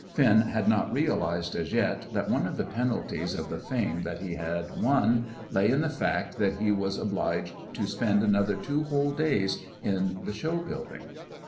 Finn had not realized as yet that one of the penalties of the fame that he had won lay in the fact that he was obliged to spend another two whole days in the show building.